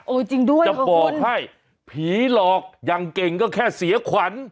โอ้ยจริงด้วยเหรอคุณจะบอกให้ผีหลอกยังเก่งก็แค่เสียขวัญ